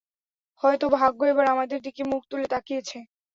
হয়ত ভাগ্য এবার আমাদের দিকে মুখ তুলে তাকিয়েছে!